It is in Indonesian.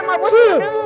aduh aduh aduh